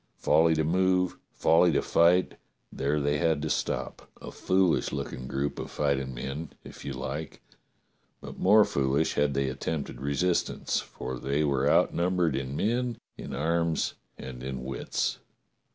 Folly to move, folly to fight, there they had to stop — a foolish looking group of fighting men, if you like, but more foolish had they attempted resistance, for they were outnumbered in men, in arms, and in wits.